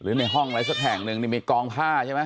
ในห้องอะไรสักแห่งหนึ่งนี่มีกองผ้าใช่ไหม